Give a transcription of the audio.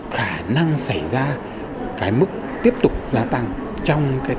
khả năng xảy ra cái mức tiếp tục gia tăng trong tháng sáu và tháng sáu là nó từng đối cả chứ không phải là thật